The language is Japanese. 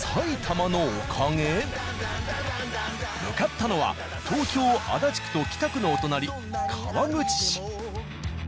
向かったのは東京・足立区と北区のお隣川口市。